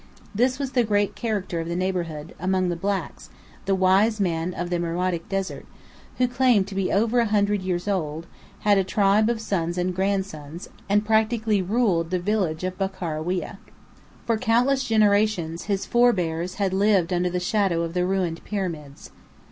This was the great character of the neighbourhood, among the blacks, the Wise Man of the Meröitic desert, who claimed to be over a hundred years old, had a tribe of sons and grandsons, and practically ruled the village of Bakarawiya. For countless generations his forbears had lived under the shadow of the ruined pyramids.